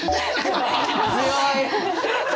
強い！